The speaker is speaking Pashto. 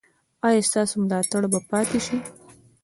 ایا ستاسو ملاتړ به پاتې شي؟